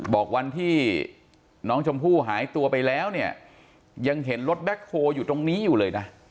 บอกวันที่น้องชมพู่หายตัวไปแล้วเนี่ยยังเห็นรถแบ็คโฮลอยู่ตรงนี้อยู่เลยนะ